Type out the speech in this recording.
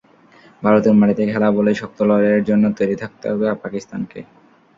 ভারতের মাটিতে খেলা বলেই শক্ত লড়াইয়ের জন্য তৈরি থাকতে হবে পাকিস্তানকে।